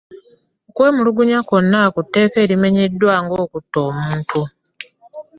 Okwemulugunya kwonna ku tteeka erimenyeddwa nga okutta omuntu.